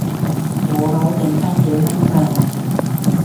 戶口剩番幾蚊咋